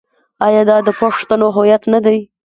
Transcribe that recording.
آیا دا د پښتنو هویت نه دی؟